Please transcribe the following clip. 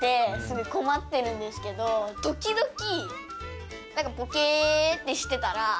ときどき。